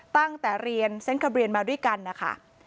ตั้งแต่เรียนเซ็นต์ทะเบียนมาด้วยกันนะคะ